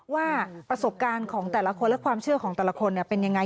ว่าประสบการณ์ของแต่ละคนและความเชื่อของแต่ละคนเป็นยังไง